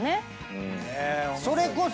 それこそ。